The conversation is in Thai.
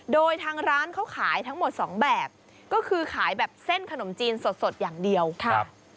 โดยทางร้านเขาขายทั้งหมดสองแบบก็คือขายแบบเส้นขนมจีนสดสดอย่างเดียวครับ